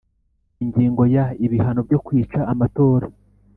Ingingo ya Ibihano byo kwica amatora